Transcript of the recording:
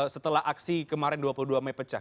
setelah aksi kemarin dua puluh dua mei pecah